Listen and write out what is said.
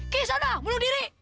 kisah dah bunuh diri